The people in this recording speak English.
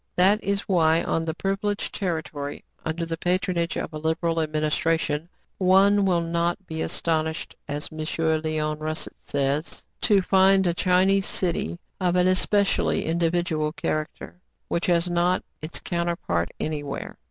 *' That is why, on this privileged territory, under the patronage of a liberal administration, one will not be astonished, as M. Leon Russet says, to find 30 TRIBULATIONS OF A CHINAMAN. "a Chinese city of an especially individual charac ter, which has not its counterpart anywhere."